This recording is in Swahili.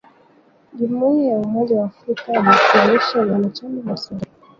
Jumuiya ya umoja wa Afrika imesimamisha uanachama wa Sudan.